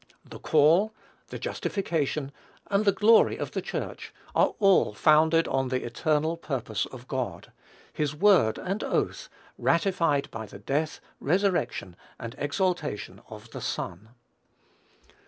The call, the justification, and the glory of the Church, are all founded on the eternal purpose of God, his word and oath, ratified by the death, resurrection, and exaltation of the Son.